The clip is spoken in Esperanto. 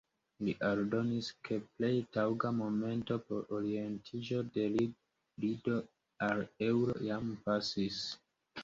Li aldonis, ke plej taŭga momento por orientiĝo de lido al eŭro jam pasis.